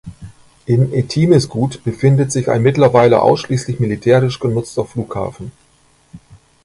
In Etimesgut befindet sich ein mittlerweile ausschließlich militärisch genutzter Flughafen.